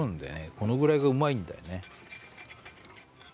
このぐらいがうまいんだよね